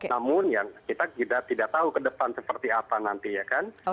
namun kita tidak tahu ke depan sepertai apa nantinya kan